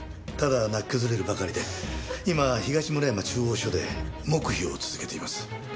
ただ泣き崩れるばかりで今東村山中央署で黙秘を続けています。